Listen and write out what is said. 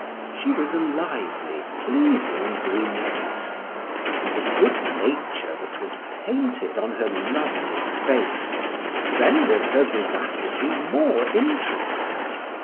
She was a lively pleasing brunette, and the good nature that was painted on her lovely face rendered her vivacity more interesting.